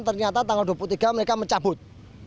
ternyata tanggal dua puluh tiga mereka mencabut